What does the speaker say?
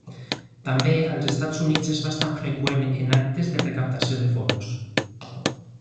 També, als Estats Units és bastant freqüent en actes de recaptació de fons.